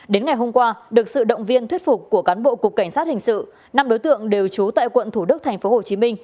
đến ngày hôm qua được sự động viên thuyết phục của cán bộ cục cảnh sát hình sự năm đối tượng đều trú tại quận thủ đức tp hcm